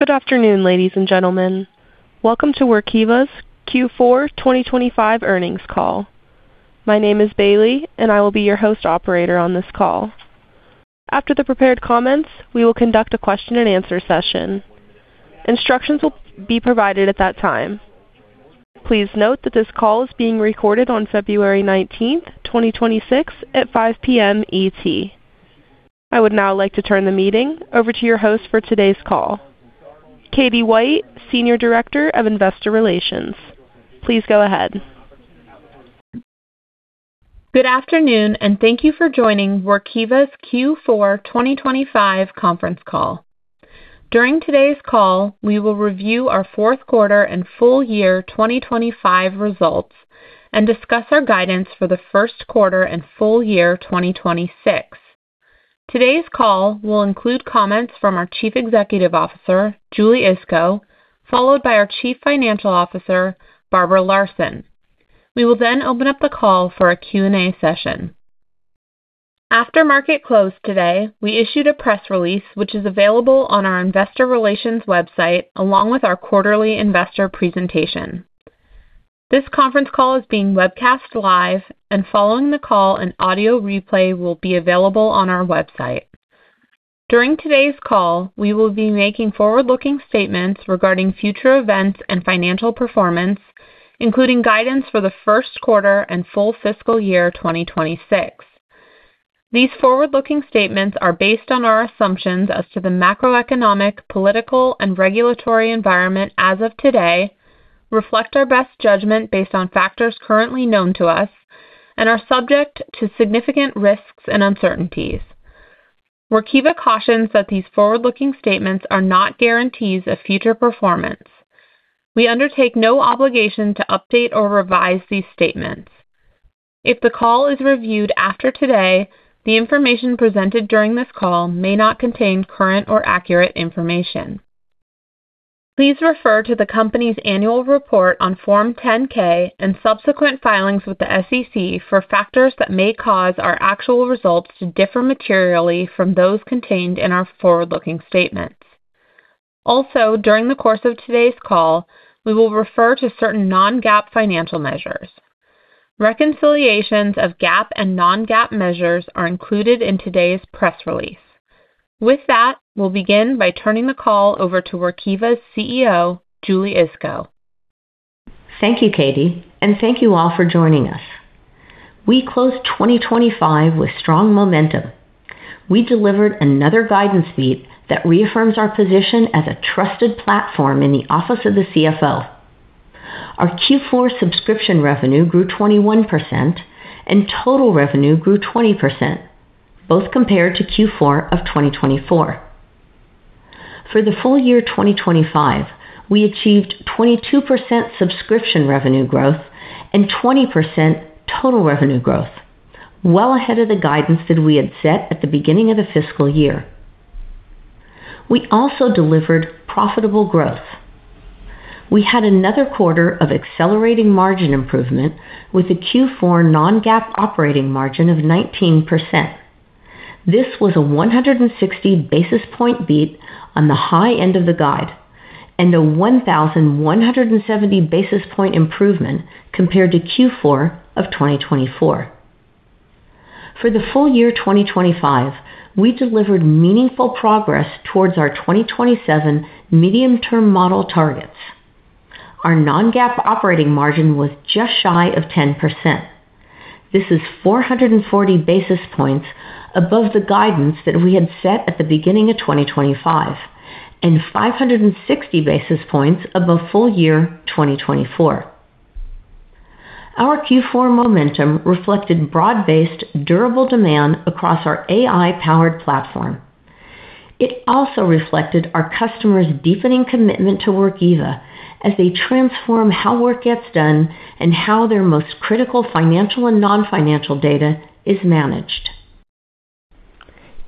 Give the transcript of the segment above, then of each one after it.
Good afternoon, ladies and gentlemen. Welcome to Workiva's Q4 2025 Earnings Call. My name is Bailey, and I will be your host operator on this call. After the prepared comments, we will conduct a question-and-answer session. Instructions will be provided at that time. Please note that this call is being recorded on February 19th, 2026, at 5:00 P.M. EST. I would now like to turn the meeting over to your host for today's call, Katie White, Senior Director of Investor Relations. Please go ahead. Good afternoon, and thank you for joining Workiva's Q4 2025 Conference Call. During today's call, we will review our Fourth Quarter and Full Year 2025 Results and discuss our guidance for the first quarter and full year 2026. Today's call will include comments from our Chief Executive Officer, Julie Iskow, followed by our Chief Financial Officer, Barbara Larson. We will then open up the call for a Q&A session. After market close today, we issued a press release, which is available on our investor relations website, along with our quarterly investor presentation. This conference call is being webcast live, and following the call, an audio replay will be available on our website. During today's call, we will be making forward-looking statements regarding future events and financial performance, including guidance for the first quarter and full fiscal year 2026. These forward-looking statements are based on our assumptions as to the macroeconomic, political, and regulatory environment as of today, reflect our best judgment based on factors currently known to us, and are subject to significant risks and uncertainties. Workiva cautions that these forward-looking statements are not guarantees of future performance. We undertake no obligation to update or revise these statements. If the call is reviewed after today, the information presented during this call may not contain current or accurate information. Please refer to the company's annual report on Form 10-K and subsequent filings with the SEC for factors that may cause our actual results to differ materially from those contained in our forward-looking statements. Also, during the course of today's call, we will refer to certain non-GAAP financial measures. Reconciliations of GAAP and non-GAAP measures are included in today's press release. With that, we'll begin by turning the call over to Workiva's CEO, Julie Iskow. Thank you, Katie, and thank you all for joining us. We closed 2025 with strong momentum. We delivered another guidance beat that reaffirms our position as a trusted platform in the office of the CFO. Our Q4 subscription revenue grew 21% and total revenue grew 20%, both compared to Q4 of 2024. For the full year 2025, we achieved 22% subscription revenue growth and 20% total revenue growth, well ahead of the guidance that we had set at the beginning of the fiscal year. We also delivered profitable growth. We had another quarter of accelerating margin improvement with a Q4 non-GAAP operating margin of 19%. This was a 160 basis point beat on the high end of the guide and a 1,170 basis point improvement compared to Q4 of 2024. For the full year 2025, we delivered meaningful progress towards our 2027 medium-term model targets. Our non-GAAP operating margin was just shy of 10%. This is 440 basis points above the guidance that we had set at the beginning of 2025 and 560 basis points above full year 2024. Our Q4 momentum reflected broad-based, durable demand across our AI-powered platform. It also reflected our customers' deepening commitment to Workiva as they transform how work gets done and how their most critical financial and non-financial data is managed.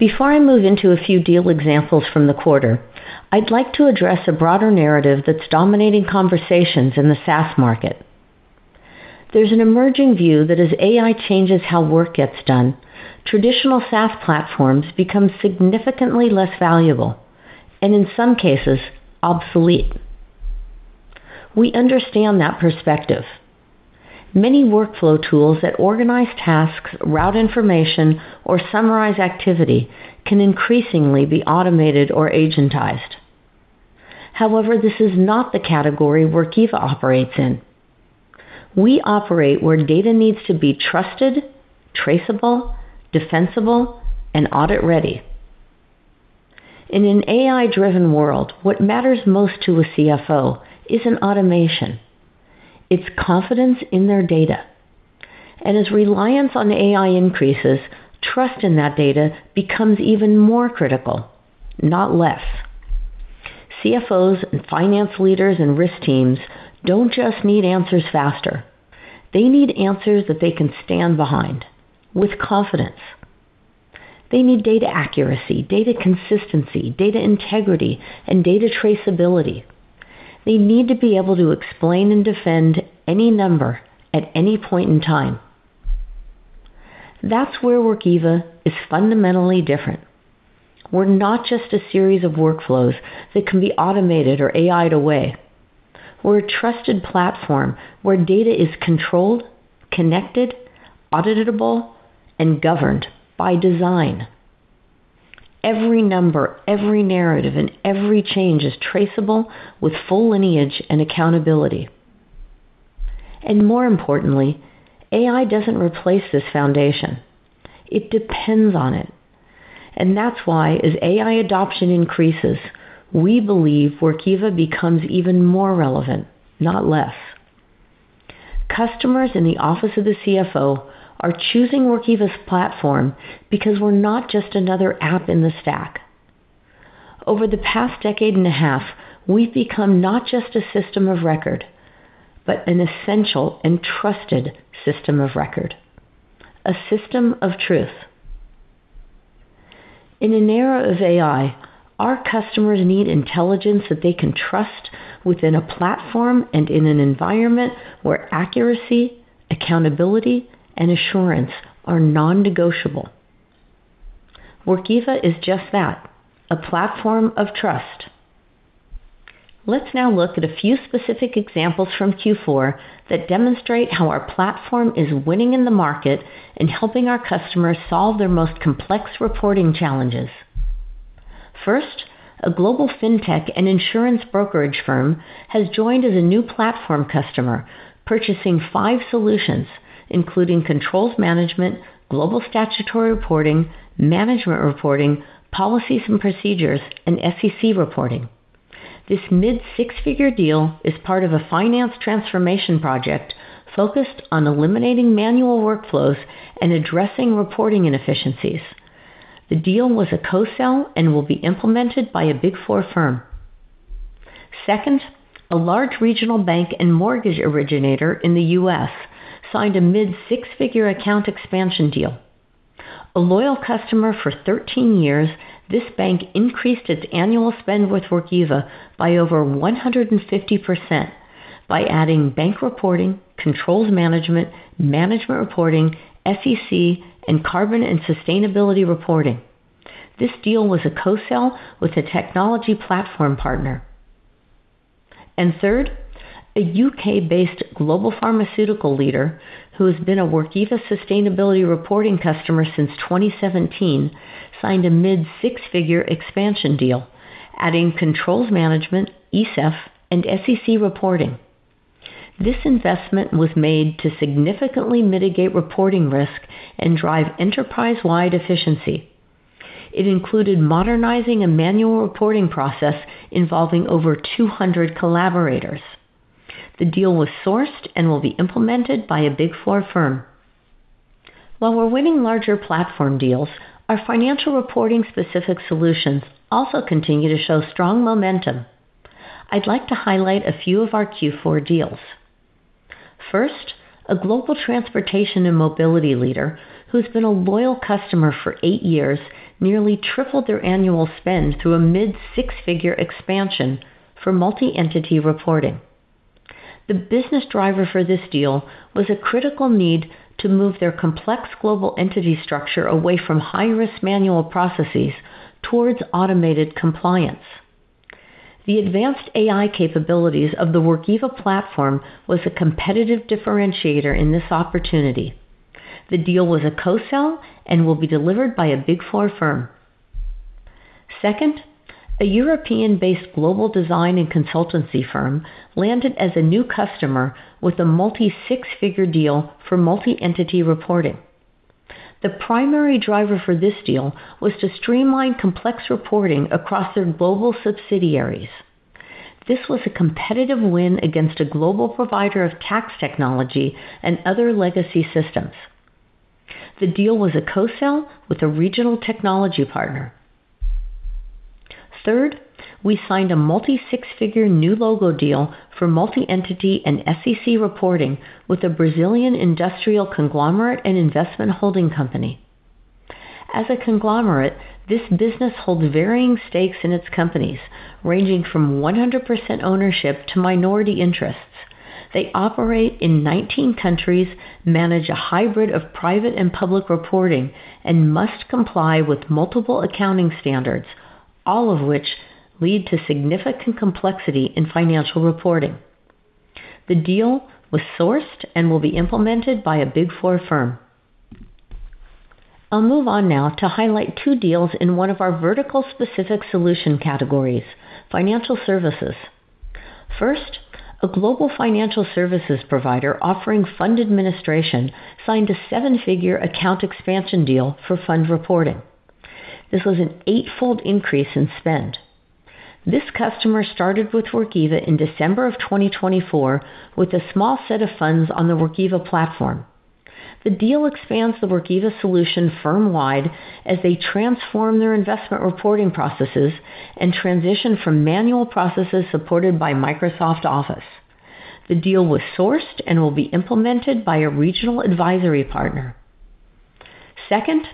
Before I move into a few deal examples from the quarter, I'd like to address a broader narrative that's dominating conversations in the SaaS market. There's an emerging view that as AI changes how work gets done, traditional SaaS platforms become significantly less valuable and in some cases, obsolete. We understand that perspective. Many workflow tools that organize tasks, route information, or summarize activity can increasingly be automated or agentized. However, this is not the category Workiva operates in. We operate where data needs to be trusted, traceable, defensible, and audit-ready. In an AI-driven world, what matters most to a CFO isn't automation, it's confidence in their data. And as reliance on AI increases, trust in that data becomes even more critical, not less. CFOs and finance leaders and risk teams don't just need answers faster. They need answers that they can stand behind with confidence. They need data accuracy, data consistency, data integrity, and data traceability. They need to be able to explain and defend any number at any point in time. That's where Workiva is fundamentally different. We're not just a series of workflows that can be automated or AI'd away. We're a trusted platform where data is controlled, connected, auditable, and governed by design. Every number, every narrative, and every change is traceable with full lineage and accountability. More importantly, AI doesn't replace this foundation. It depends on it. That's why as AI adoption increases, we believe Workiva becomes even more relevant, not less. Customers in the office of the CFO are choosing Workiva's platform because we're not just another app in the stack. Over the past decade and a half, we've become not just a system of record, but an essential and trusted system of record, a system of truth. In an era of AI, our customers need intelligence that they can trust within a platform and in an environment where accuracy, accountability, and assurance are non-negotiable. Workiva is just that, a platform of trust. Let's now look at a few specific examples from Q4 that demonstrate how our platform is winning in the market and helping our customers solve their most complex reporting challenges. First, a global fintech and insurance brokerage firm has joined as a new platform customer, purchasing five solutions, including controls management, global statutory reporting, management reporting, policies and procedures, and SEC reporting. This mid-six-figure deal is part of a finance transformation project focused on eliminating manual workflows and addressing reporting inefficiencies. The deal was a co-sell and will be implemented by a Big Four firm. Second, a large regional bank and mortgage originator in the U.S. signed a mid-six-figure account expansion deal. A loyal customer for 13 years, this bank increased its annual spend with Workiva by over 150% by adding bank reporting, controls management, management reporting, SEC, and carbon and sustainability reporting. This deal was a co-sell with a technology platform partner. And third, a U.K.-based global pharmaceutical leader, who has been a Workiva sustainability reporting customer since 2017, signed a mid-six-figure expansion deal, adding controls management, ESEF, and SEC reporting. This investment was made to significantly mitigate reporting risk and drive enterprise-wide efficiency. It included modernizing a manual reporting process involving over 200 collaborators. The deal was sourced and will be implemented by a Big Four firm. While we're winning larger platform deals, our financial reporting-specific solutions also continue to show strong momentum. I'd like to highlight a few of our Q4 deals. First, a global transportation and mobility leader, who's been a loyal customer for eight years, nearly tripled their annual spend through a mid-six-figure expansion for multi-entity reporting. The business driver for this deal was a critical need to move their complex global entity structure away from high-risk manual processes toward automated compliance. The advanced AI capabilities of the Workiva Platform was a competitive differentiator in this opportunity. The deal was a co-sell and will be delivered by a Big Four firm. Second, a European-based global design and consultancy firm landed as a new customer with a multi-six-figure deal for multi-entity reporting. The primary driver for this deal was to streamline complex reporting across their global subsidiaries. This was a competitive win against a global provider of tax technology and other legacy systems. The deal was a co-sell with a regional technology partner. Third, we signed a multi-six-figure new logo deal for multi-entity and SEC reporting with a Brazilian industrial conglomerate and investment holding company. As a conglomerate, this business holds varying stakes in its companies, ranging from 100% ownership to minority interests. They operate in 19 countries, manage a hybrid of private and public reporting, and must comply with multiple accounting standards, all of which lead to significant complexity in financial reporting. The deal was sourced and will be implemented by a Big Four firm. I'll move on now to highlight two deals in one of our vertical specific solution categories, financial services. First, a global financial services provider offering fund administration signed a seven-figure account expansion deal for fund reporting. This was an 8-fold increase in spend. This customer started with Workiva in December 2024 with a small set of funds on the Workiva platform. The deal expands the Workiva solution firm-wide as they transform their investment reporting processes and transition from manual processes supported by Microsoft Office. The deal was sourced and will be implemented by a regional advisory partner. Second,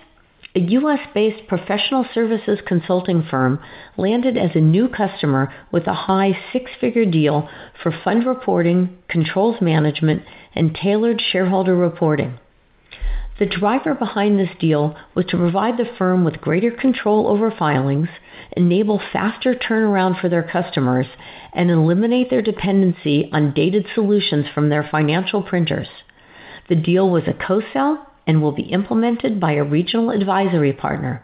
a U.S.-based professional services consulting firm landed as a new customer with a high six-figure deal for fund reporting, controls management, and tailored shareholder reporting. The driver behind this deal was to provide the firm with greater control over filings, enable faster turnaround for their customers, and eliminate their dependency on dated solutions from their financial printers. The deal was a co-sell and will be implemented by a regional advisory partner.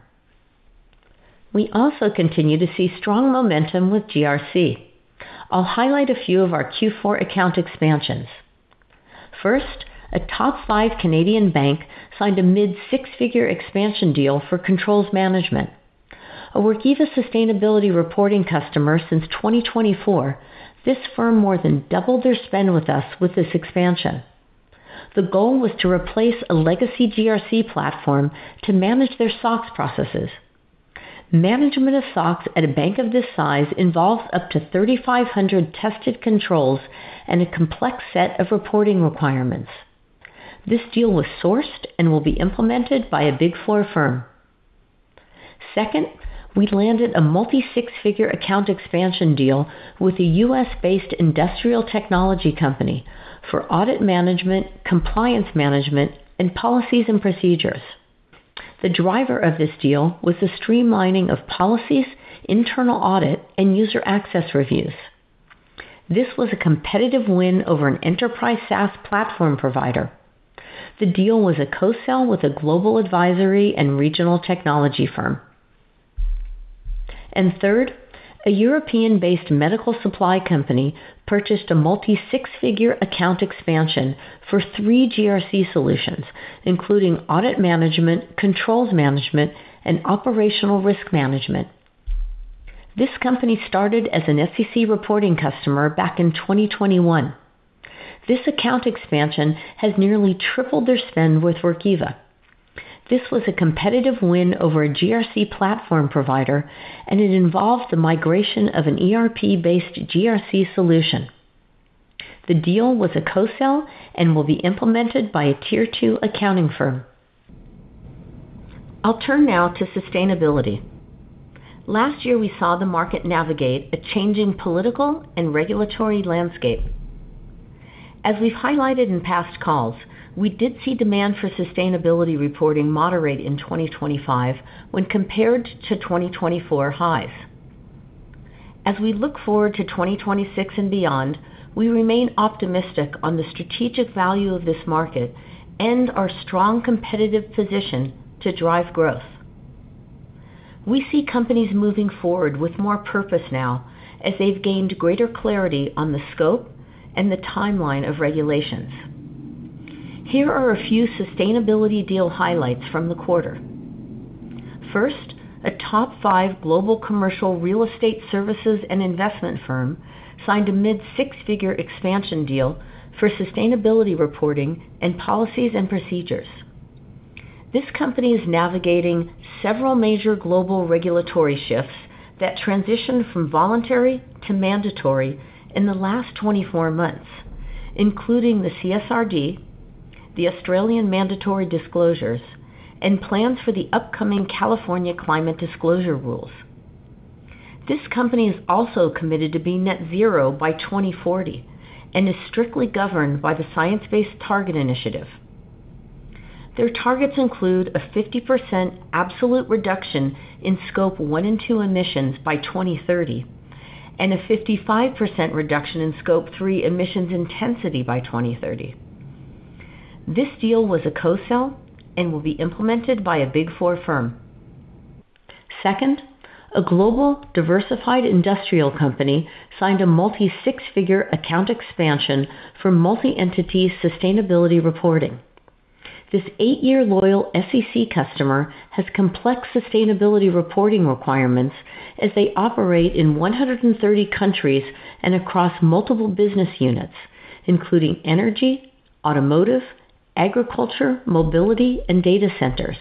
We also continue to see strong momentum with GRC. I'll highlight a few of our Q4 account expansions. First, a top-five Canadian bank signed a mid-six-figure expansion deal for controls management. A Workiva sustainability reporting customer since 2024, this firm more than doubled their spend with us with this expansion. The goal was to replace a legacy GRC platform to manage their SOX processes. Management of SOX at a bank of this size involves up to 3,500 tested controls and a complex set of reporting requirements. This deal was sourced and will be implemented by a Big Four firm. Second, we landed a multi-six-figure account expansion deal with a U.S.-based industrial technology company for audit management, compliance management, and policies and procedures. The driver of this deal was the streamlining of policies, internal audit, and user access reviews. This was a competitive win over an enterprise SaaS platform provider. The deal was a co-sell with a global advisory and regional technology firm. And third, a European-based medical supply company purchased a multi-six-figure account expansion for three GRC solutions, including audit management, controls management, and operational risk management. This company started as an SEC reporting customer back in 2021. This account expansion has nearly tripled their spend with Workiva. This was a competitive win over a GRC platform provider, and it involved the migration of an ERP-based GRC solution. The deal was a cco-sell and will be implemented by a Tier 2 accounting firm. I'll turn now to sustainability. Last year, we saw the market navigate a changing political and regulatory landscape. As we've highlighted in past calls, we did see demand for sustainability reporting moderate in 2025 when compared to 2024 highs. As we look forward to 2026 and beyond, we remain optimistic on the strategic value of this market and our strong competitive position to drive growth. We see companies moving forward with more purpose now as they've gained greater clarity on the scope and the timeline of regulations. Here are a few sustainability deal highlights from the quarter. First, a top five global commercial real estate services and investment firm signed a mid-six-figure expansion deal for sustainability reporting and policies and procedures. This company is navigating several major global regulatory shifts that transitioned from voluntary to mandatory in the last 24 months, including the CSRD, the Australian mandatory disclosures, and plans for the upcoming California Climate Disclosure Rules. This company is also committed to being net zero by 2040, and is strictly governed by the Science Based Targets initiative. Their targets include a 50% absolute reduction in Scope 1 and 2 emissions by 2030, and a 55% reduction in Scope 3 emissions intensity by 2030. This deal was a co-sell and will be implemented by a Big Four firm. Second, a global diversified industrial company signed a multi-six-figure account expansion for multi-entity sustainability reporting. This 8-year loyal SEC customer has complex sustainability reporting requirements as they operate in 130 countries and across multiple business units, including energy, automotive, agriculture, mobility, and data centers.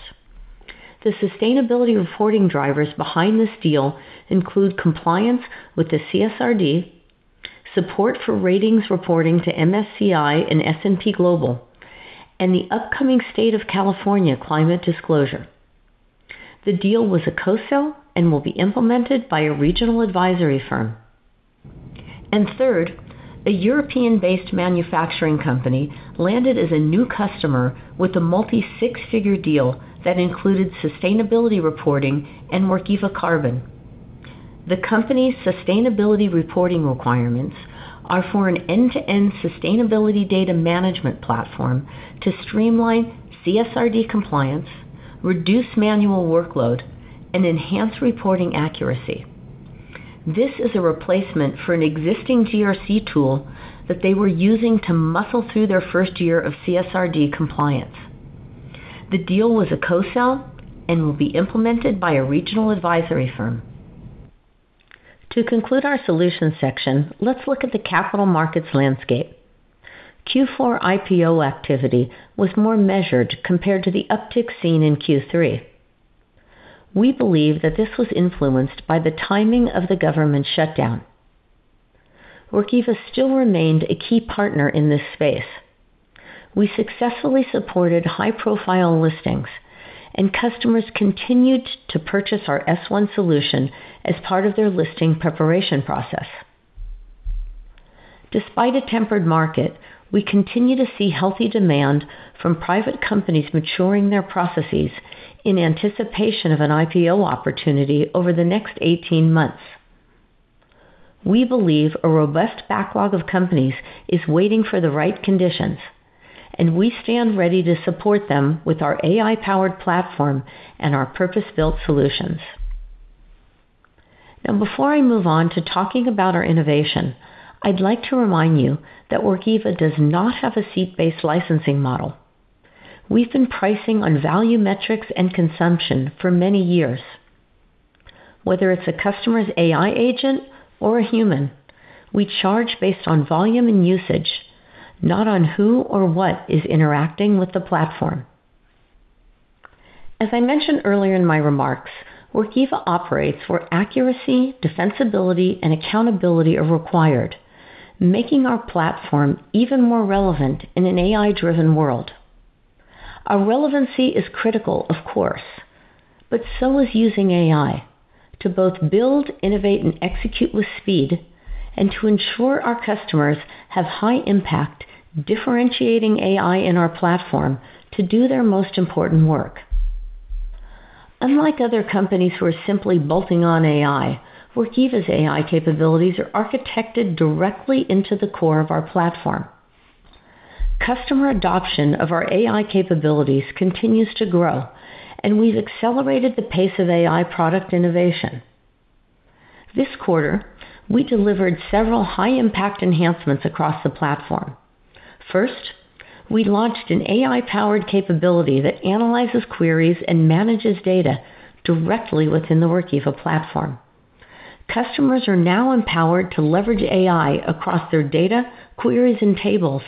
The sustainability reporting drivers behind this deal include compliance with the CSRD, support for ratings reporting to MSCI and S&P Global, and the upcoming State of California Climate Disclosure. The deal was a co-sell and will be implemented by a regional advisory firm. And third, a European-based manufacturing company landed as a new customer with a multi-six-figure deal that included sustainability reporting and Workiva Carbon. The company's sustainability reporting requirements are for an end-to-end sustainability data management platform to streamline CSRD compliance, reduce manual workload, and enhance reporting accuracy. This is a replacement for an existing GRC tool that they were using to muscle through their first year of CSRD compliance. The deal was a co-sell and will be implemented by a regional advisory firm. To conclude our solutions section, let's look at the capital markets landscape. Q4 IPO activity was more measured compared to the uptick seen in Q3. We believe that this was influenced by the timing of the government shutdown. Workiva still remained a key partner in this space. We successfully supported high-profile listings, and customers continued to purchase our S-1 solution as part of their listing preparation process. Despite a tempered market, we continue to see healthy demand from private companies maturing their processes in anticipation of an IPO opportunity over the next 18 months. We believe a robust backlog of companies is waiting for the right conditions, and we stand ready to support them with our AI-powered platform and our purpose-built solutions. Now, before I move on to talking about our innovation, I'd like to remind you that Workiva does not have a seat-based licensing model. We've been pricing on value, metrics, and consumption for many years. Whether it's a customer's AI agent or a human, we charge based on volume and usage, not on who or what is interacting with the platform. As I mentioned earlier in my remarks, Workiva operates where accuracy, defensibility, and accountability are required, making our platform even more relevant in an AI-driven world. Our relevancy is critical, of course, but so is using AI to both build, innovate, and execute with speed, and to ensure our customers have high impact, differentiating AI in our platform to do their most important work. Unlike other companies who are simply bolting on AI, Workiva's AI capabilities are architected directly into the core of our platform. Customer adoption of our AI capabilities continues to grow, and we've accelerated the pace of AI product innovation. This quarter, we delivered several high-impact enhancements across the platform. First, we launched an AI-powered capability that analyzes queries and manages data directly within the Workiva platform. Customers are now empowered to leverage AI across their data, queries, and tables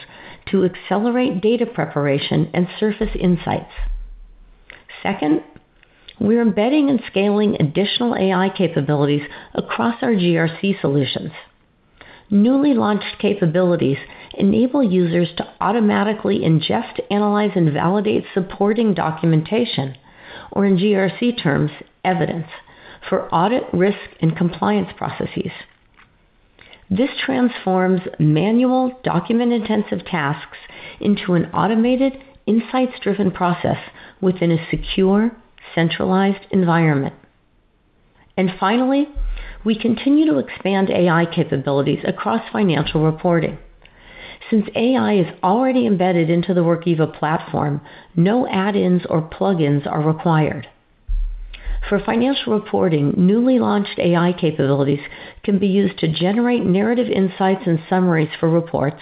to accelerate data preparation and surface insights. Second, we're embedding and scaling additional AI capabilities across our GRC solutions. Newly launched capabilities enable users to automatically ingest, analyze, and validate supporting documentation, or in GRC terms, evidence, for audit, risk, and compliance processes. This transforms manual, document-intensive tasks into an automated, insights-driven process within a secure, centralized environment. And finally, we continue to expand AI capabilities across financial reporting. Since AI is already embedded into the Workiva platform, no add-ins or plugins are required. For financial reporting, newly launched AI capabilities can be used to generate narrative insights and summaries for reports,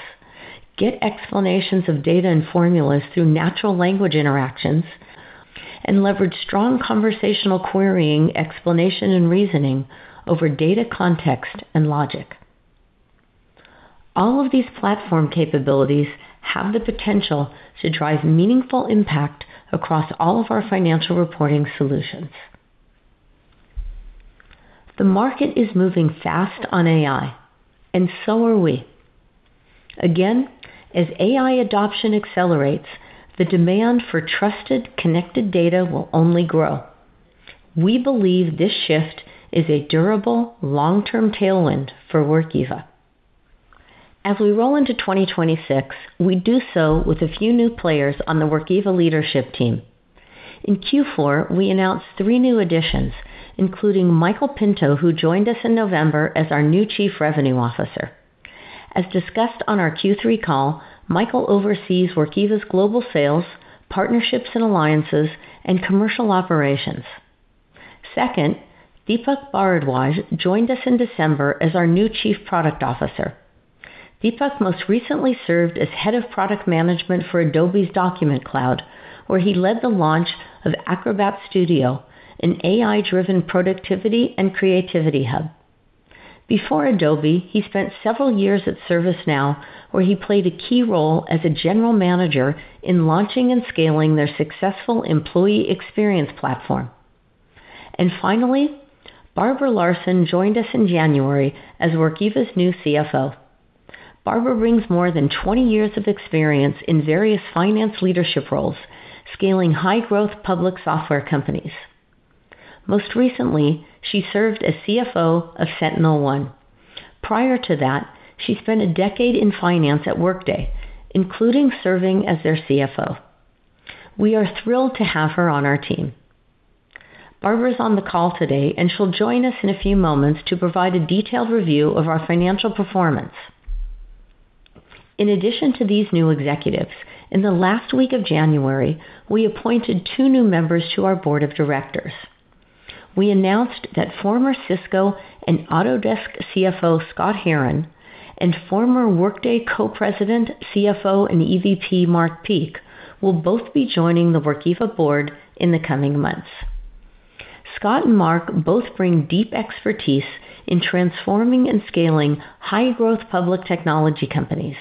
get explanations of data and formulas through natural language interactions, and leverage strong conversational querying, explanation, and reasoning over data, context, and logic. All of these platform capabilities have the potential to drive meaningful impact across all of our financial reporting solutions. The market is moving fast on AI, and so are we. Again, as AI adoption accelerates, the demand for trusted, connected data will only grow. We believe this shift is a durable, long-term tailwind for Workiva. As we roll into 2026, we do so with a few new players on the Workiva leadership team. In Q4, we announced three new additions, including Michael Pinto, who joined us in November as our new chief revenue officer. As discussed on our Q3 call, Michael oversees Workiva's global sales, partnerships and alliances, and commercial operations. Second, Deepak Bharadwaj joined us in December as our new Chief Product Officer. Deepak most recently served as head of product management for Adobe's Document Cloud, where he led the launch of Acrobat Studio, an AI-driven productivity and creativity hub. Before Adobe, he spent several years at ServiceNow, where he played a key role as a general manager in launching and scaling their successful employee experience platform. And finally, Barbara Larson joined us in January as Workiva's new CFO. Barbara brings more than 20 years of experience in various finance leadership roles, scaling high-growth public software companies. Most recently, she served as CFO of SentinelOne. Prior to that, she spent a decade in finance at Workday, including serving as their CFO. We are thrilled to have her on our team. Barbara's on the call today, and she'll join us in a few moments to provide a detailed review of our financial performance. In addition to these new executives, in the last week of January, we appointed two new members to our board of directors. We announced that former Cisco and Autodesk CFO, Scott Herren, and former Workday Co-President, CFO, and EVP, Mark Peek, will both be joining the Workiva board in the coming months. Scott and Mark both bring deep expertise in transforming and scaling high-growth public technology companies.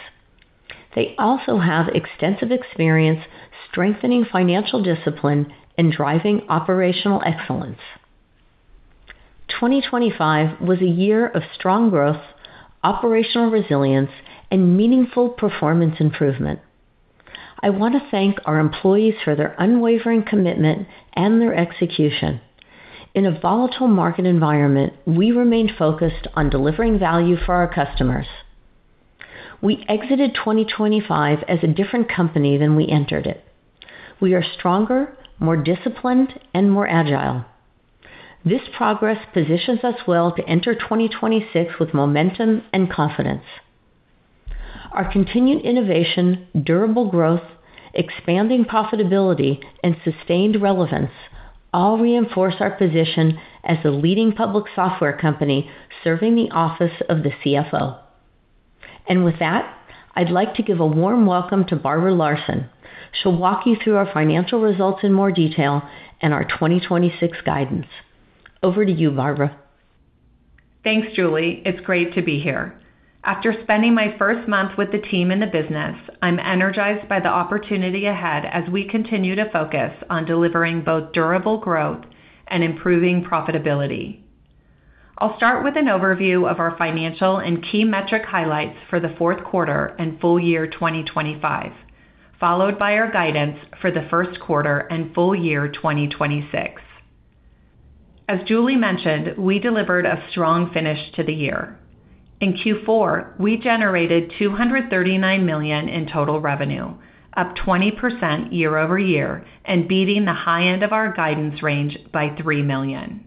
They also have extensive experience strengthening financial discipline and driving operational excellence. 2025 was a year of strong growth, operational resilience, and meaningful performance improvement. I want to thank our employees for their unwavering commitment and their execution. In a volatile market environment, we remained focused on delivering value for our customers. We exited 2025 as a different company than we entered it. We are stronger, more disciplined, and more agile. This progress positions us well to enter 2026 with momentum and confidence. Our continued innovation, durable growth, expanding profitability, and sustained relevance all reinforce our position as the leading public software company serving the office of the CFO. And with that, I'd like to give a warm welcome to Barbara Larson. She'll walk you through our financial results in more detail and our 2026 guidance. Over to you, Barbara. Thanks, Julie. It's great to be here. After spending my first month with the team and the business, I'm energized by the opportunity ahead as we continue to focus on delivering both durable growth and improving profitability. I'll start with an overview of our financial and key metric highlights for the fourth quarter and full year 2025, followed by our guidance for the first quarter and full year 2026. As Julie mentioned, we delivered a strong finish to the year. In Q4, we generated $239 million in total revenue, up 20% year-over-year, and beating the high end of our guidance range by $3 million.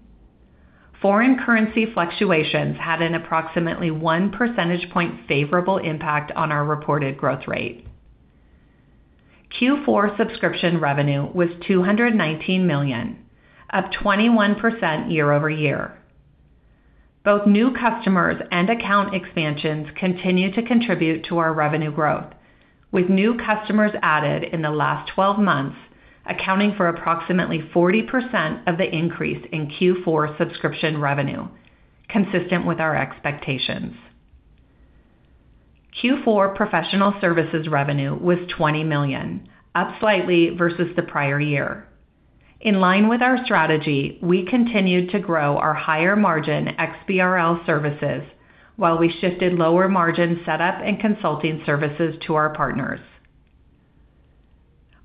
Foreign currency fluctuations had an approximately one percentage point favorable impact on our reported growth rate. Q4 subscription revenue was $219 million, up 21% year-over-year. Both new customers and account expansions continue to contribute to our revenue growth, with new customers added in the last 12 months, accounting for approximately 40% of the increase in Q4 subscription revenue, consistent with our expectations. Q4 professional services revenue was $20 million, up slightly versus the prior year. In line with our strategy, we continued to grow our higher-margin XBRL services while we shifted lower-margin setup and consulting services to our partners.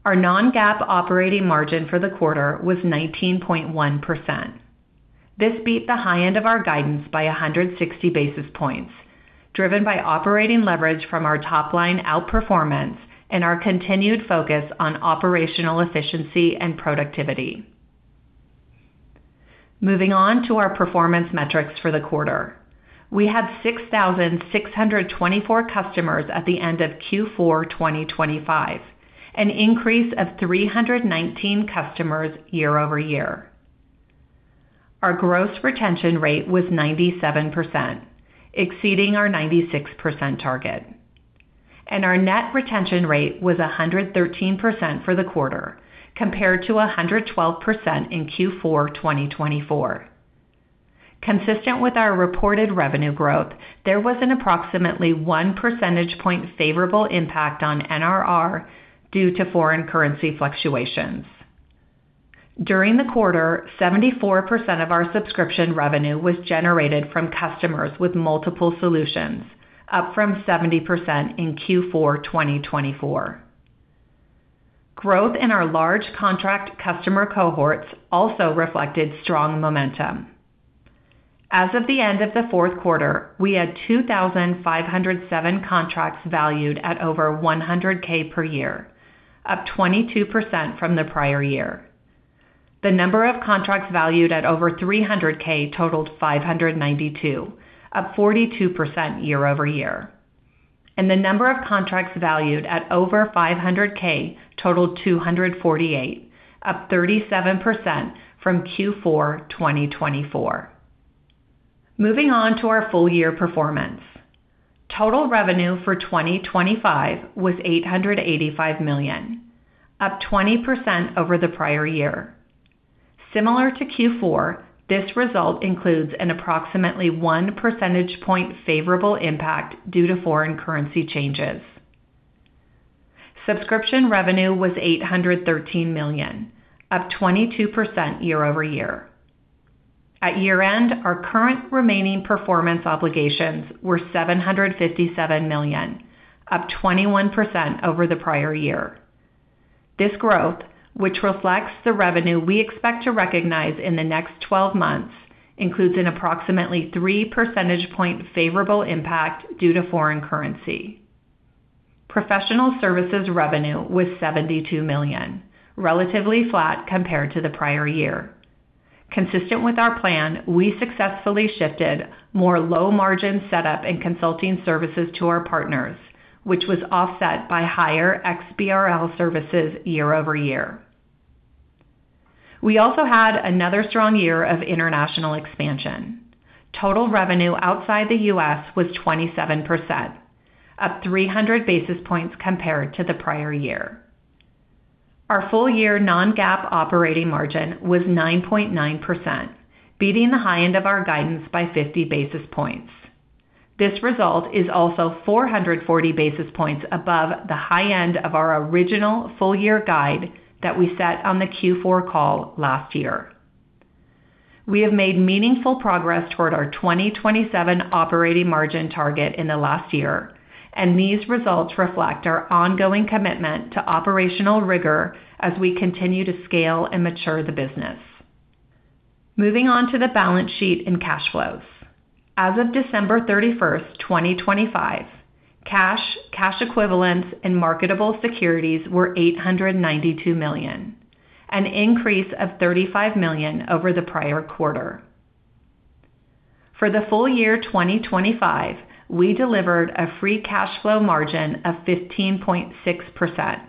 Our non-GAAP operating margin for the quarter was 19.1%. This beat the high end of our guidance by 160 basis points, driven by operating leverage from our top line outperformance and our continued focus on operational efficiency and productivity. Moving on to our performance metrics for the quarter. We had 6,624 customers at the end of Q4 2025, an increase of 319 customers year-over-year. Our gross retention rate was 97%, exceeding our 96% target, and our net retention rate was 113% for the quarter, compared to 112% in Q4 2024. Consistent with our reported revenue growth, there was an approximately 1 percentage point favorable impact on NRR due to foreign currency fluctuations. During the quarter, 74% of our subscription revenue was generated from customers with multiple solutions, up from 70% in Q4 2024. Growth in our large contract customer cohorts also reflected strong momentum. As of the end of the fourth quarter, we had 2,507 contracts valued at over 100K per year, up 22% from the prior year. The number of contracts valued at over 300K totaled 592, up 42% year-over-year, and the number of contracts valued at over 500K totaled 248, up 37% from Q4 2024. Moving on to our full-year performance. Total revenue for 2025 was $885 million, up 20% over the prior year. Similar to Q4, this result includes an approximately 1 percentage point favorable impact due to foreign currency changes. Subscription revenue was $813 million, up 22% year-over-year. At year-end, our current remaining performance obligations were $757 million, up 21% over the prior year. This growth, which reflects the revenue we expect to recognize in the next 12 months, includes an approximately 3 percentage point favorable impact due to foreign currency. Professional services revenue was $72 million, relatively flat compared to the prior year. Consistent with our plan, we successfully shifted more low-margin setup and consulting services to our partners, which was offset by higher XBRL services year-over-year. We also had another strong year of international expansion. Total revenue outside the U.S. was 27%, up 300 basis points compared to the prior year. Our full-year non-GAAP operating margin was 9.9%, beating the high end of our guidance by 50 basis points. This result is also 440 basis points above the high end of our original full-year guide that we set on the Q4 call last year. We have made meaningful progress toward our 2027 operating margin target in the last year, and these results reflect our ongoing commitment to operational rigor as we continue to scale and mature the business. Moving on to the balance sheet and cash flows. As of December 31, 2025, cash, cash equivalents, and marketable securities were $892 million, an increase of $35 million over the prior quarter. For the full year 2025, we delivered a free cash flow margin of 15.6%,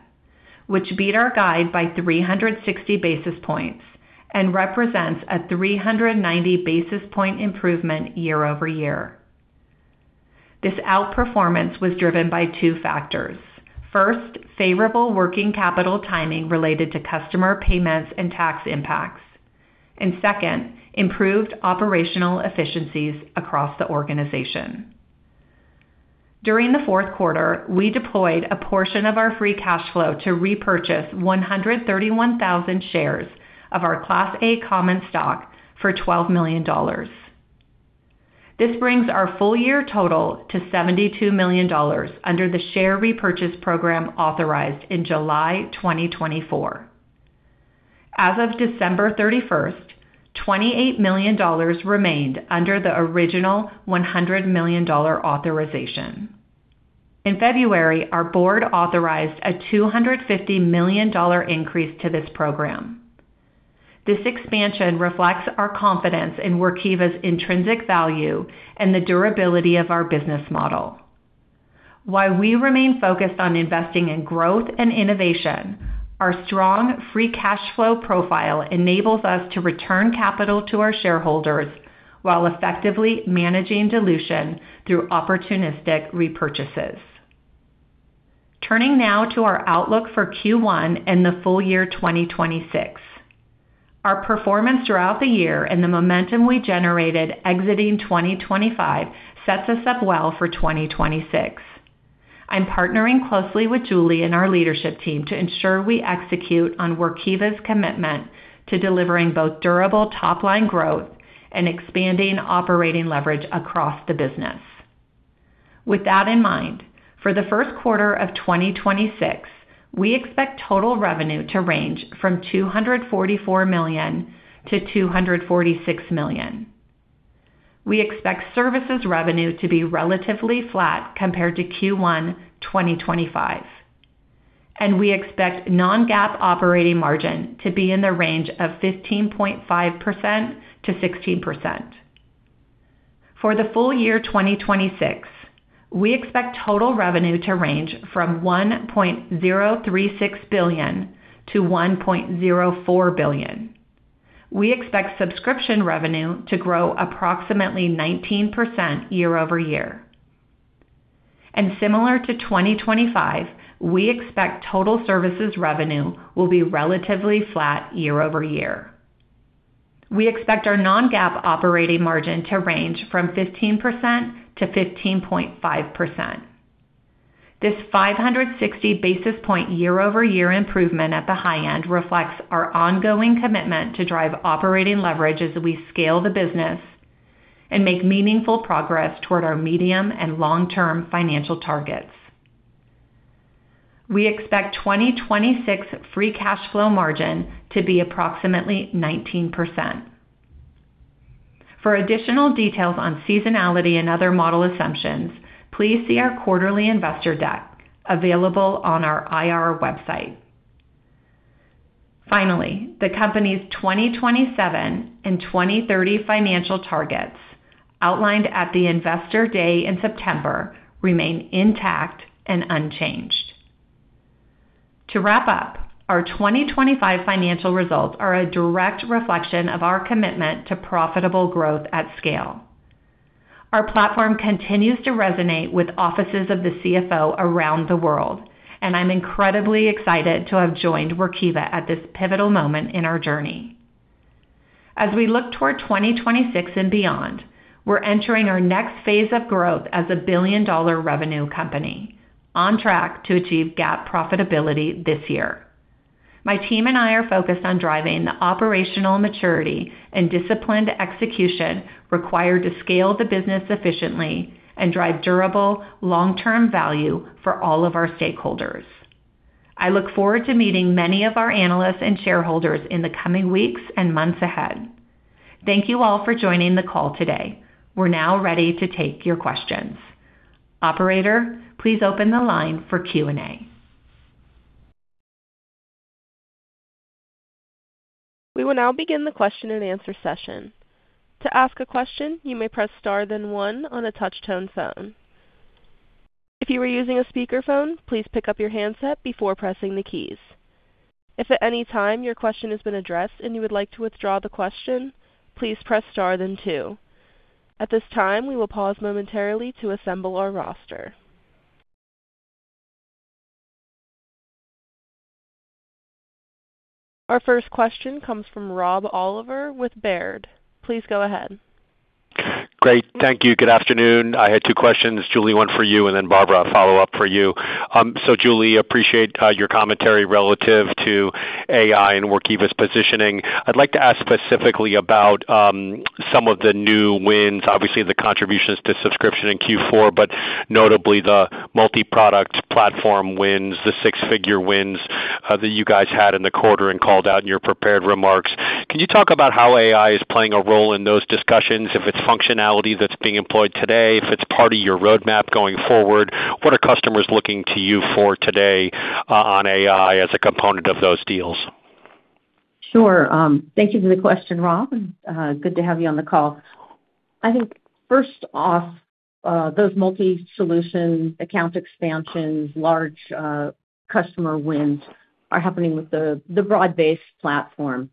which beat our guide by 360 basis points and represents a 390 basis point improvement year-over-year. This outperformance was driven by two factors. First, favorable working capital timing related to customer payments and tax impacts, and second, improved operational efficiencies across the organization. During the fourth quarter, we deployed a portion of our free cash flow to repurchase 131,000 shares of our Class A common stock for $12 million. This brings our full-year total to $72 million under the share repurchase program authorized in July 2024. As of December 31, $28 million remained under the original $100 million authorization. In February, our board authorized a $250 million increase to this program. This expansion reflects our confidence in Workiva's intrinsic value and the durability of our business model. While we remain focused on investing in growth and innovation, our strong free cash flow profile enables us to return capital to our shareholders while effectively managing dilution through opportunistic repurchases. Turning now to our outlook for Q1 and the full year 2026. Our performance throughout the year and the momentum we generated exiting 2025 sets us up well for 2026. I'm partnering closely with Julie and our leadership team to ensure we execute on Workiva's commitment to delivering both durable top-line growth and expanding operating leverage across the business. With that in mind, for the first quarter of 2026, we expect total revenue to range from $244 million-$246 million. We expect services revenue to be relatively flat compared to Q1 2025, and we expect non-GAAP operating margin to be in the range of 15.5%-16%. For the full year 2026, we expect total revenue to range from $1.036 billion-$1.04 billion. We expect subscription revenue to grow approximately 19% year over year. Similar to 2025, we expect total services revenue will be relatively flat year over year. We expect our non-GAAP operating margin to range from 15% to 15.5%. This 560 basis point year-over-year improvement at the high end reflects our ongoing commitment to drive operating leverage as we scale the business and make meaningful progress toward our medium and long-term financial targets. We expect 2026 free cash flow margin to be approximately 19%. For additional details on seasonality and other model assumptions, please see our quarterly investor deck, available on our IR website. Finally, the company's 2027 and 2030 financial targets outlined at the Investor Day in September remain intact and unchanged. To wrap up, our 2025 financial results are a direct reflection of our commitment to profitable growth at scale. Our platform continues to resonate with offices of the CFO around the world, and I'm incredibly excited to have joined Workiva at this pivotal moment in our journey. As we look toward 2026 and beyond, we're entering our next phase of growth as a billion-dollar revenue company, on track to achieve GAAP profitability this year. My team and I are focused on driving the operational maturity and disciplined execution required to scale the business efficiently and drive durable, long-term value for all of our stakeholders. I look forward to meeting many of our analysts and shareholders in the coming weeks and months ahead. Thank you all for joining the call today. We're now ready to take your questions. Operator, please open the line for Q&A. We will now begin the question-and-answer session. To ask a question, you may press star then one on a touch-tone phone. If you are using a speakerphone, please pick up your handset before pressing the keys. If at any time your question has been addressed and you would like to withdraw the question, please press star then two. At this time, we will pause momentarily to assemble our roster. Our first question comes from Rob Oliver with Baird. Please go ahead. Great. Thank you. Good afternoon. I had two questions, Julie, one for you, and then Barbara, a follow-up for you. So Julie, appreciate your commentary relative to AI and Workiva's positioning. I'd like to ask specifically about some of the new wins, obviously, the contributions to subscription in Q4, but notably the multi-product platform wins, the six-figure wins that you guys had in the quarter and called out in your prepared remarks. Can you talk about how AI is playing a role in those discussions, if it's functionality that's being employed today, if it's part of your roadmap going forward? What are customers looking to you for today on AI as a component of those deals? Sure. Thank you for the question, Rob, and, good to have you on the call. I think first off, those multi-solution account expansions, large, customer wins, are happening with the broad-based platform.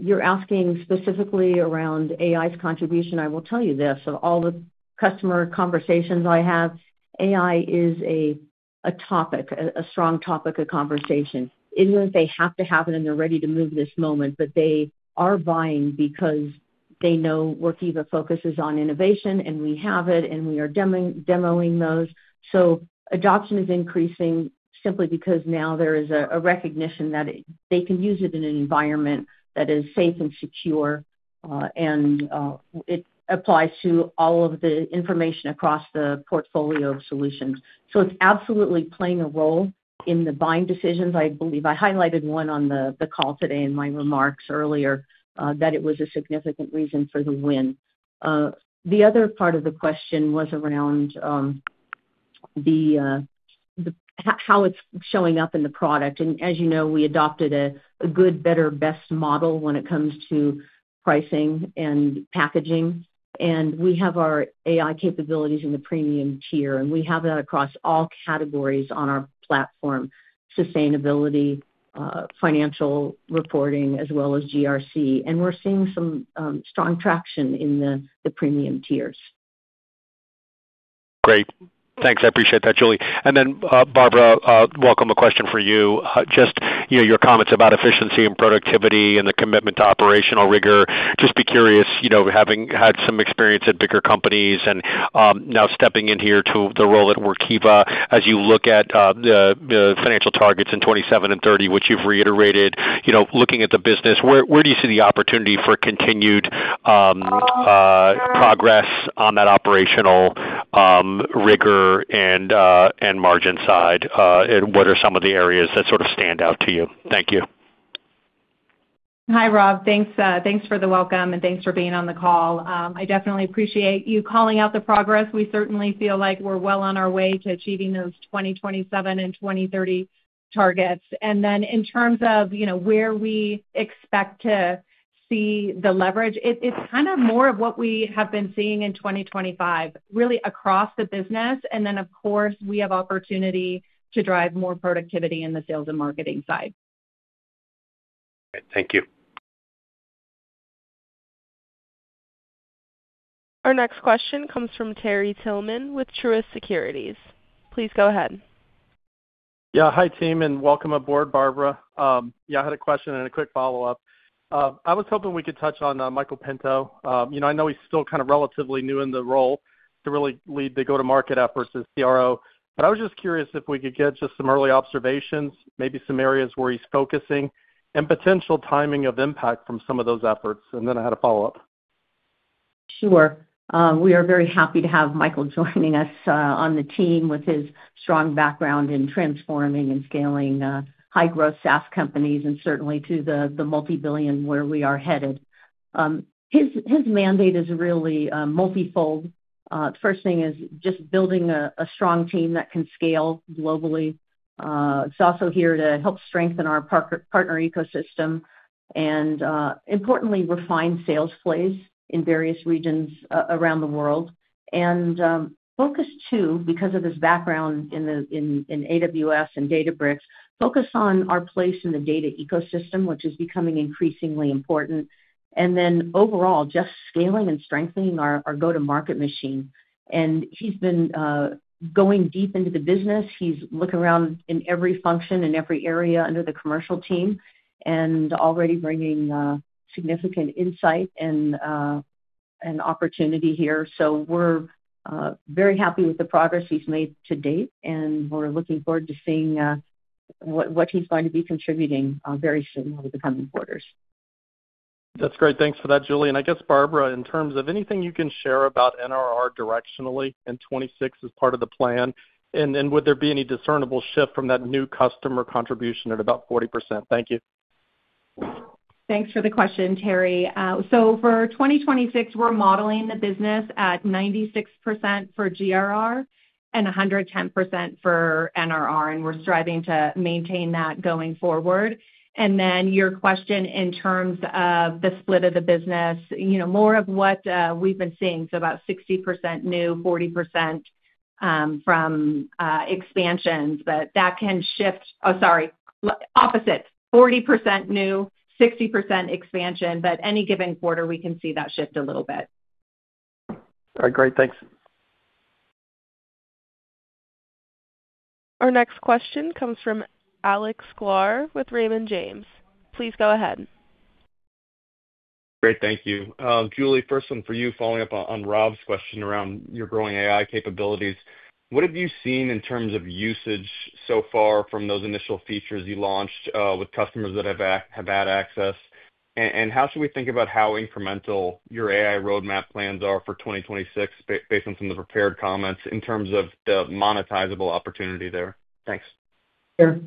You're asking specifically around AI's contribution. I will tell you this, of all the customer conversations I have, AI is a topic, a strong topic of conversation. Isn't that they have to have it and they're ready to move this moment, but they are buying because they know Workiva focuses on innovation, and we have it, and we are demoing those. So adoption is increasing simply because now there is a recognition that they can use it in an environment that is safe and secure, and it applies to all of the information across the portfolio of solutions. So it's absolutely playing a role in the buying decisions. I believe I highlighted one on the call today in my remarks earlier, that it was a significant reason for the win. The other part of the question was around how it's showing up in the product. And as you know, we adopted a good, better, best model when it comes to pricing and packaging, and we have our AI capabilities in the premium tier, and we have that across all categories on our platform: sustainability, financial reporting, as well as GRC. And we're seeing some strong traction in the premium tiers. Great. Thanks. I appreciate that, Julie. And then, Barbara, welcome. A question for you. Just, you know, your comments about efficiency and productivity and the commitment to operational rigor. Just be curious, you know, having had some experience at bigger companies and, now stepping in here to the role at Workiva, as you look at, the, the financial targets in 2027 and 2030, which you've reiterated, you know, looking at the business, where, where do you see the opportunity for continued, progress on that operational, rigor and, and margin side? And what are some of the areas that sort of stand out to you? Thank you. Hi, Rob. Thanks, thanks for the welcome, and thanks for being on the call. I definitely appreciate you calling out the progress. We certainly feel like we're well on our way to achieving those 2027 and 2030 targets. And then in terms of, you know, where we expect to see the leverage, it's kind of more of what we have been seeing in 2025, really across the business. And then, of course, we have opportunity to drive more productivity in the sales and marketing side. Thank you. Our next question comes from Terry Tillman with Truist Securities. Please go ahead. Yeah. Hi, team, and welcome aboard, Barbara. Yeah, I had a question and a quick follow-up. I was hoping we could touch on Michael Pinto. You know, I know he's still kind of relatively new in the role to really lead the go-to-market efforts as CRO, but I was just curious if we could get just some early observations, maybe some areas where he's focusing, and potential timing of impact from some of those efforts. And then I had a follow-up. Sure. We are very happy to have Michael joining us on the team with his strong background in transforming and scaling high-growth SaaS companies, and certainly to the multi-billion where we are headed. His mandate is really multifold. First thing is just building a strong team that can scale globally. He's also here to help strengthen our partner ecosystem and, importantly, refine sales plays in various regions around the world. And focus too, because of his background in AWS and Databricks, on our place in the data ecosystem, which is becoming increasingly important. And then overall, just scaling and strengthening our go-to-market machine. And he's been going deep into the business. He's looking around in every function and every area under the commercial team and already bringing significant insight and opportunity here. So we're very happy with the progress he's made to date, and we're looking forward to seeing what he's going to be contributing very soon over the coming quarters. That's great. Thanks for that, Julie. And I guess, Barbara, in terms of anything you can share about NRR directionally in 2026 as part of the plan, and then would there be any discernible shift from that new customer contribution at about 40%? Thank you. Thanks for the question, Terry. So for 2026, we're modeling the business at 96% for GRR and 110% for NRR, and we're striving to maintain that going forward. And then your question in terms of the split of the business, you know, more of what we've been seeing, so about 60% new, 40% from expansions, but that can shift. Oh, sorry. Opposites, 40% new, 60% expansion, but any given quarter, we can see that shift a little bit. All right, great. Thanks. Our next question comes from Alex Sklar with Raymond James. Please go ahead. Great, thank you. Julie, first one for you, following up on Rob's question around your growing AI capabilities. What have you seen in terms of usage so far from those initial features you launched with customers that have had access? And how should we think about how incremental your AI roadmap plans are for 2026, based on some of the prepared comments, in terms of the monetizable opportunity there? Thanks. Sure.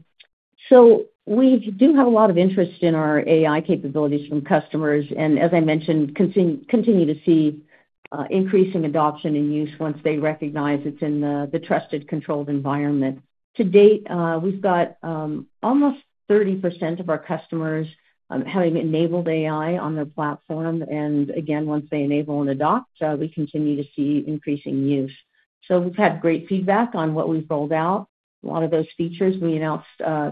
So we do have a lot of interest in our AI capabilities from customers, and as I mentioned, continue to see increasing adoption and use once they recognize it's in the trusted, controlled environment. To date, we've got almost 30% of our customers having enabled AI on their platform, and again, once they enable and adopt, we continue to see increasing use. So we've had great feedback on what we've rolled out. A lot of those features, we announced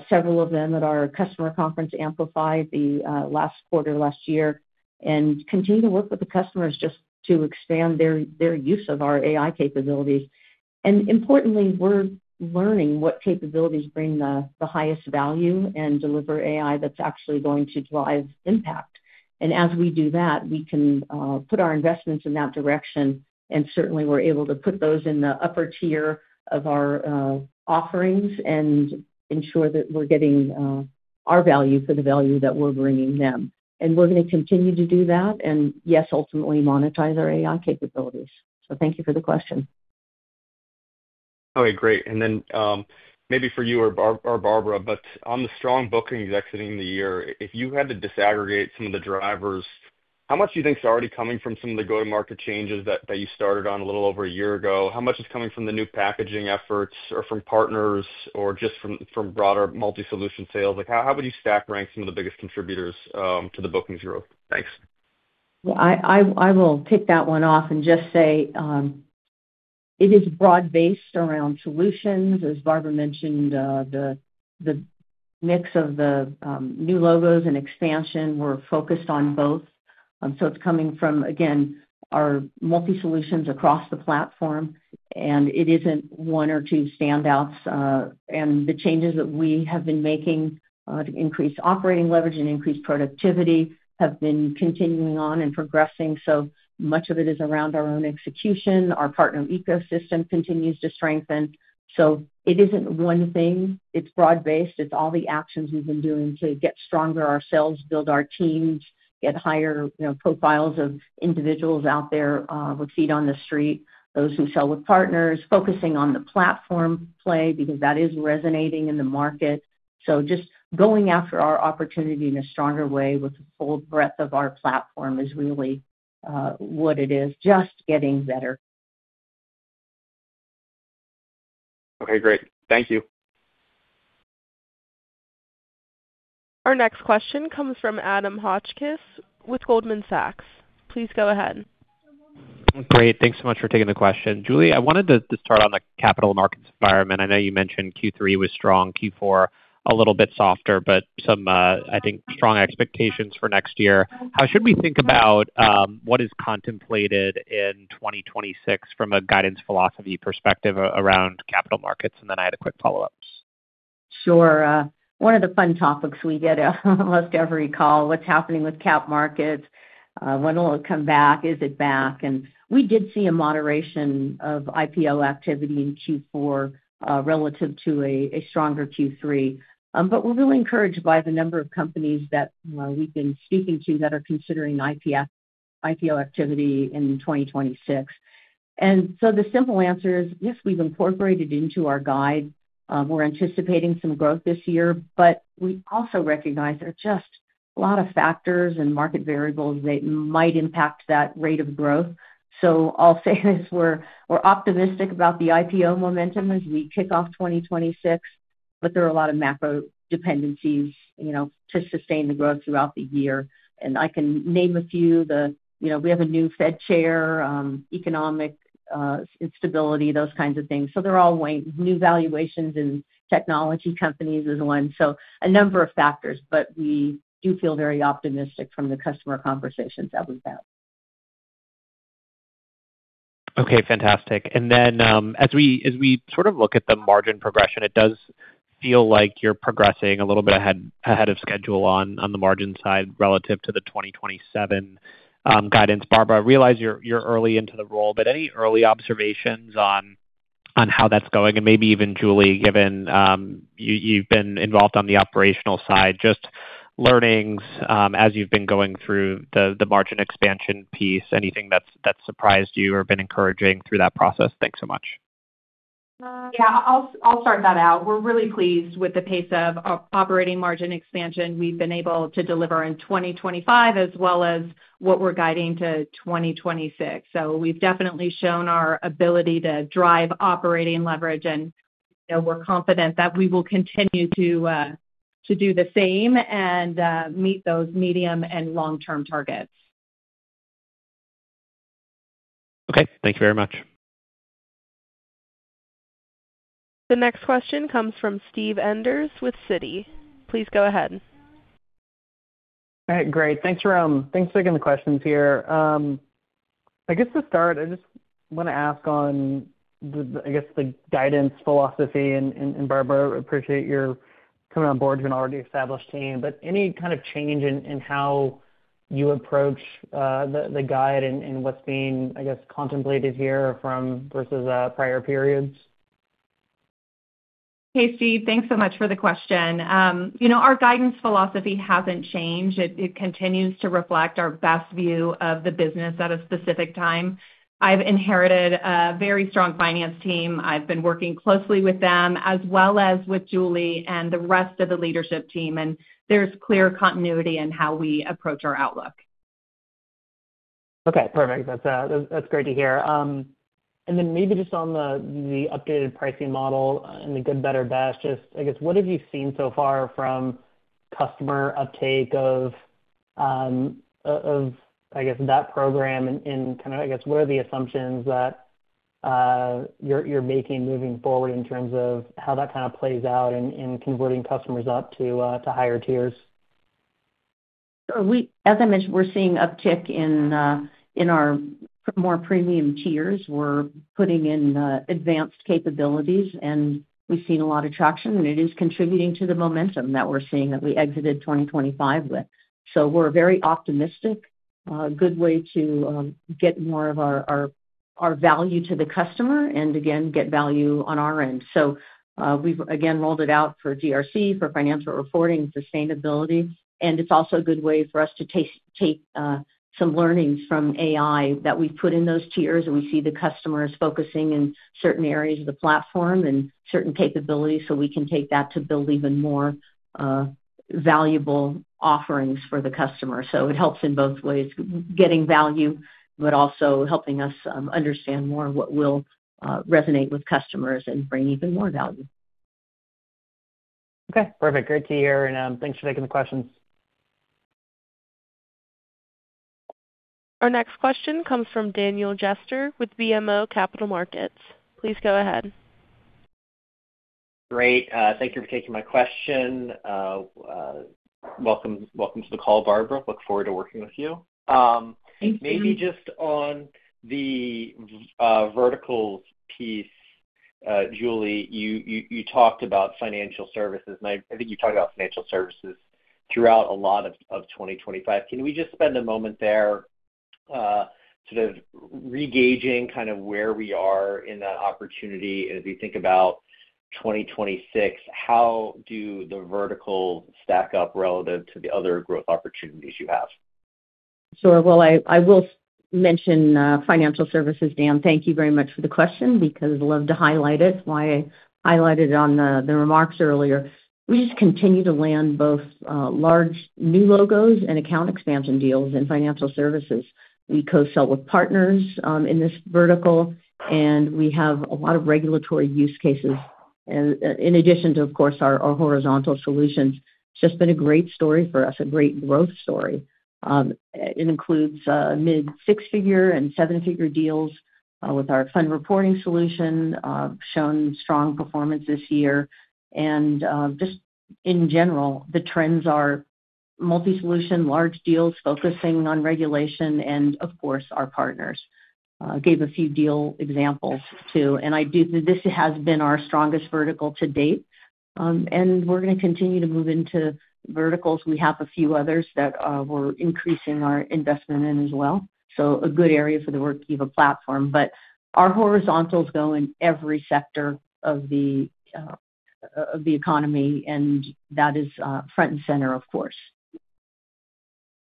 several of them at our customer conference, Amplify, last quarter last year, and continue to work with the customers just to expand their use of our AI capabilities. And importantly, we're learning what capabilities bring the highest value and deliver AI that's actually going to drive impact. As we do that, we can put our investments in that direction, and certainly we're able to put those in the upper tier of our offerings and ensure that we're getting our value for the value that we're bringing them. We're gonna continue to do that, and yes, ultimately monetize our AI capabilities. So thank you for the question. Okay, great. And then, maybe for you or Barbara, but on the strong bookings exiting the year, if you had to disaggregate some of the drivers, how much do you think is already coming from some of the go-to-market changes that, that you started on a little over a year ago? How much is coming from the new packaging efforts or from partners or just from, from broader multi-solution sales? Like, how, how would you stack rank some of the biggest contributors to the bookings growth? Thanks. Well, I will kick that one off and just say, it is broad-based around solutions. As Barbara mentioned, the mix of the new logos and expansion, we're focused on both. So it's coming from, again, our multi-solutions across the platform, and it isn't one or two standouts. And the changes that we have been making to increase operating leverage and increase productivity have been continuing on and progressing, so much of it is around our own execution. Our partner ecosystem continues to strengthen. So it isn't one thing, it's broad-based. It's all the actions we've been doing to get stronger ourselves, build our teams, get higher, you know, profiles of individuals out there with feet on the street, those who sell with partners, focusing on the platform play, because that is resonating in the market. So just going after our opportunity in a stronger way with the full breadth of our platform is really, what it is. Just getting better. Okay, great. Thank you. Our next question comes from Adam Hotchkiss with Goldman Sachs. Please go ahead. Great. Thanks so much for taking the question. Julie, I wanted to start on the capital markets environment. I know you mentioned Q3 was strong, Q4 a little bit softer, but some, I think, strong expectations for next year. How should we think about what is contemplated in 2026 from a guidance philosophy perspective around capital markets? And then I had a quick follow-up. Sure. One of the fun topics we get, almost every call, what's happening with capital markets? When will it come back? Is it back? And we did see a moderation of IPO activity in Q4, relative to a stronger Q3. But we're really encouraged by the number of companies that we've been speaking to that are considering IPO activity in 2026. And so the simple answer is, yes, we've incorporated into our guide. We're anticipating some growth this year, but we also recognize there are just a lot of factors and market variables that might impact that rate of growth. So I'll say this: we're optimistic about the IPO momentum as we kick off 2026, but there are a lot of macro dependencies, you know, to sustain the growth throughout the year. And I can name a few. You know, we have a new Fed chair, economic instability, those kinds of things. So they're all weighing. New valuations in technology companies is one, so a number of factors, but we do feel very optimistic from the customer conversations that we've had. Okay, fantastic. And then, as we sort of look at the margin progression, it does feel like you're progressing a little bit ahead of schedule on the margin side relative to the 2027 guidance. Barbara, I realize you're early into the role, but any early observations on how that's going? And maybe even Julie, given you've been involved on the operational side, just learnings as you've been going through the margin expansion piece, anything that's surprised you or been encouraging through that process? Thanks so much. Yeah, I'll start that out. We're really pleased with the pace of operating margin expansion we've been able to deliver in 2025, as well as what we're guiding to 2026. We've definitely shown our ability to drive operating leverage, and, you know, we're confident that we will continue to do the same and meet those medium- and long-term targets. Okay, thank you very much. The next question comes from Steve Enders with Citi. Please go ahead. All right, great. Thanks for taking the questions here. I guess to start, I just want to ask on the, I guess, the guidance philosophy, and, Barbara, appreciate your coming on board to an already established team, but any kind of change in how you approach the guide and what's being, I guess, contemplated here from versus prior periods? Hey, Steve, thanks so much for the question. You know, our guidance philosophy hasn't changed. It continues to reflect our best view of the business at a specific time. I've inherited a very strong finance team. I've been working closely with them, as well as with Julie and the rest of the leadership team, and there's clear continuity in how we approach our outlook. Okay, perfect. That's, that's great to hear. And then maybe just on the updated pricing model and the good, better, best, just I guess, what have you seen so far from customer uptake of, I guess, that program and kind of, I guess, what are the assumptions that you're making moving forward in terms of how that kind of plays out in converting customers up to higher tiers? So we as I mentioned, we're seeing uptick in our more premium tiers. We're putting in advanced capabilities, and we've seen a lot of traction, and it is contributing to the momentum that we're seeing that we exited 2025 with. So we're very optimistic. A good way to get more of our value to the customer and again, get value on our end. So, we've again rolled it out for GRC, for financial reporting, sustainability, and it's also a good way for us to take some learnings from AI that we've put in those tiers, and we see the customers focusing in certain areas of the platform and certain capabilities, so we can take that to build even more valuable offerings for the customer. So it helps in both ways, getting value, but also helping us understand more what will resonate with customers and bring even more value. Okay, perfect. Great to hear, and, thanks for taking the questions. Our next question comes from Daniel Jester with BMO Capital Markets. Please go ahead. Great. Thank you for taking my question. Welcome, welcome to the call, Barbara. Look forward to working with you. Thank you. Maybe just on the verticals piece, Julie, you talked about financial services, and I think you talked about financial services throughout a lot of 2025. Can we just spend a moment there, sort of re-gauging kind of where we are in that opportunity? And as we think about 2026, how do the verticals stack up relative to the other growth opportunities you have? Sure. Well, I will mention financial services, Dan. Thank you very much for the question, because I'd love to highlight it. It's why I highlighted on the remarks earlier. We just continue to land both large new logos and account expansion deals in financial services. We co-sell with partners in this vertical, and we have a lot of regulatory use cases, and in addition to, of course, our horizontal solutions. It's just been a great story for us, a great growth story. It includes mid-6-figure and 7-figure deals with our fund reporting solution shown strong performance this year. And just in general, the trends are multi-solution, large deals focusing on regulation and of course, our partners. Gave a few deal examples, too, and I do, this has been our strongest vertical to date. We're gonna continue to move into verticals. We have a few others that we're increasing our investment in as well. A good area for the Workiva platform. Our horizontals go in every sector of the economy, and that is front and center, of course.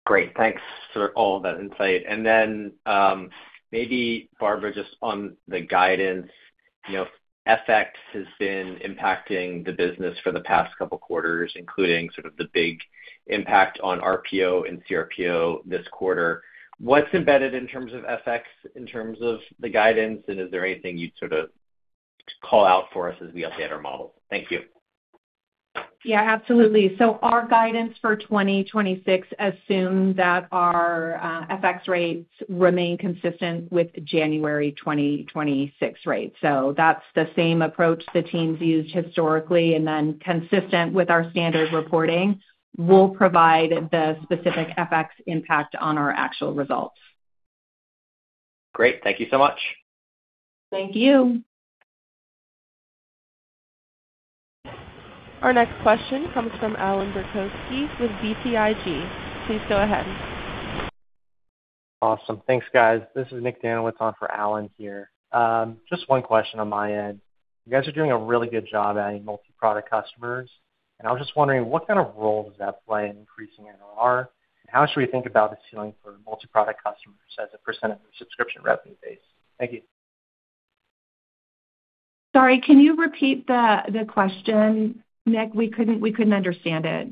Great. Thanks for all that insight. And then, maybe Barbara, just on the guidance, you know, FX has been impacting the business for the past couple quarters, including sort of the big impact on RPO and CRPO this quarter. What's embedded in terms of FX, in terms of the guidance, and is there anything you'd sort of call out for us as we update our models? Thank you. Yeah, absolutely. So our guidance for 2026 assumes that our FX rates remain consistent with January 2026 rates. So that's the same approach the teams used historically, and then consistent with our standard reporting, we'll provide the specific FX impact on our actual results. Great. Thank you so much. Thank you. Our next question comes from Allan Verkhovski with BTIG. Please go ahead. Awesome. Thanks, guys. This is Nick Altman on for Allan here. Just one question on my end. You guys are doing a really good job adding multi-product customers, and I was just wondering what kind of role does that play in increasing NRR, and how should we think about the ceiling for multi-product customers as a % of the subscription revenue base? Thank you. Sorry, can you repeat the question, Nick? We couldn't understand it.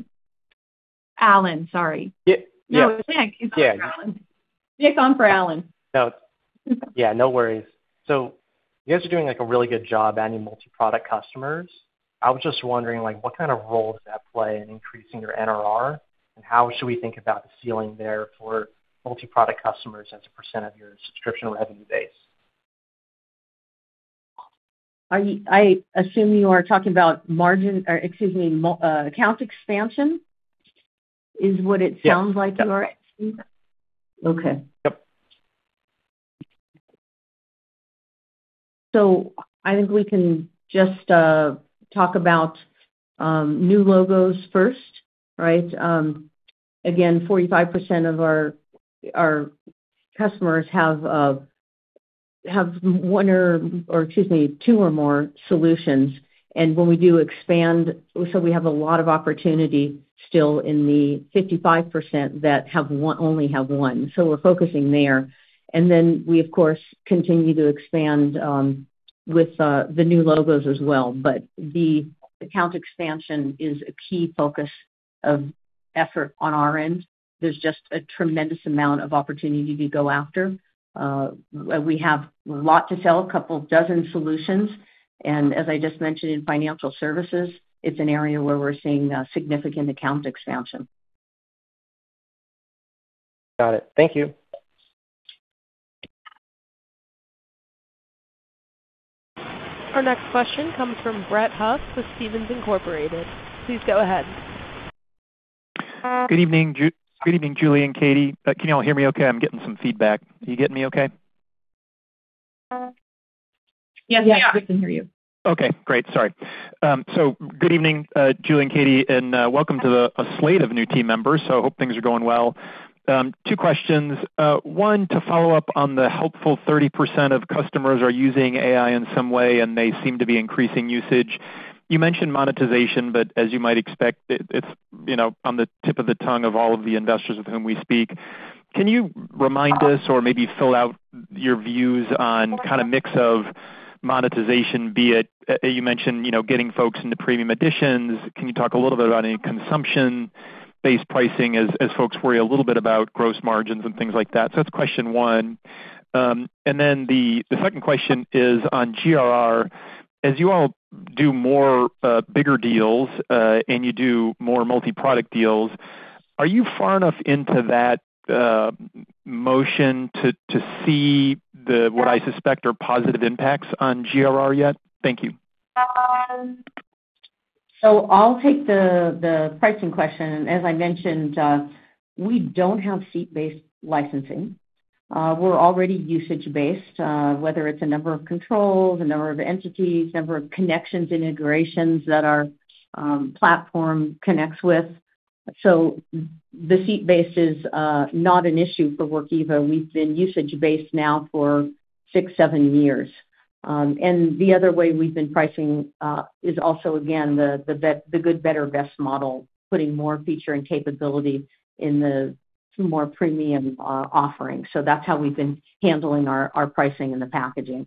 Allan, sorry. Nick, he's on for Allan. Nick's on for Allan. No. Yeah, no worries. You guys are doing, like, a really good job adding multi-product customers. I was just wondering, like, what kind of role does that play in increasing your NRR, and how should we think about the ceiling there for multi-product customers as a percent of your subscription revenue base? Are you? I assume you are talking about margin, or excuse me, account expansion, is what it sounds like. Yep. So I think we can just talk about new logos first, right? Again, 45% of our customers have one or, excuse me, two or more solutions. And when we do expand, so we have a lot of opportunity still in the 55% that have only one, so we're focusing there. And then we, of course, continue to expand with the new logos as well. But the account expansion is a key focus of effort on our end. There's just a tremendous amount of opportunity to go after. We have a lot to sell, a couple dozen solutions, and as I just mentioned, in financial services, it's an area where we're seeing significant account expansion. Got it. Thank you. Our next question comes from Brett Huff with Stephens Incorporated. Please go ahead. Good evening, Julie and Katie and welcome to the a slate of new team members, so hope things are going well. Two questions. One, to follow up on the helpful 30% of customers are using AI in some way, and they seem to be increasing usage. You mentioned monetization, but as you might expect, it, it's, you know, on the tip of the tongue of all of the investors with whom we speak. Can you remind us or maybe fill out your views on kind of mix of monetization, be it, you mentioned, you know, getting folks into premium editions. Can you talk a little bit about any consumption-based pricing as folks worry a little bit about gross margins and things like that? So that's question one. And then the second question is on GRR. As you all do more bigger deals and you do more multi-product deals, are you far enough into that motion to see what I suspect are positive impacts on GRR yet? Thank you. So I'll take the pricing question. As I mentioned, we don't have seat-based licensing. We're already usage-based, whether it's the number of controls, the number of entities, number of connections, integrations that our platform connects with. So the seat base is not an issue for Workiva. We've been usage-based now for 6, 7 years. And the other way we've been pricing is also, again, the good, better, best model, putting more feature and capability in the more premium offering. So that's how we've been handling our pricing and the packaging.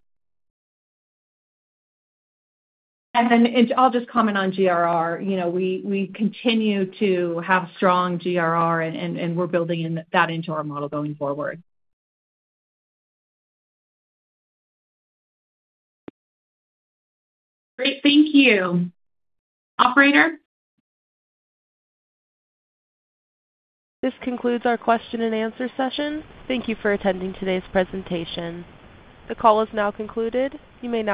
I'll just comment on GRR. You know, we continue to have strong GRR, and we're building that into our model going forward. Great. Thank you. Operator? This concludes our question and answer session. Thank you for attending today's presentation. The call is now concluded. You may now disconnect.